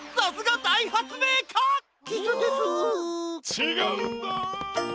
ちがうんだ！